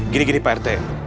gini gini pak rt